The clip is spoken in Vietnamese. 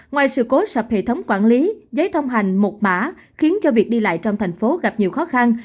ngoài sự cố sập hệ thống quản lý giấy thông hành một mã khiến cho việc đi lại trong thành phố gặp nhiều khó khăn